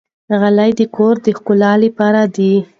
غالۍ د کور د ښکلا لپاره دي.